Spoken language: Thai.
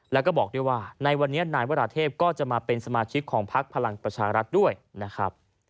แล้วก็บอกด้วยว่าในวันนี้นายวราเทพก็จะมาเป็นสมาชิกของพักพลังประชารัฐด้วยนะครับ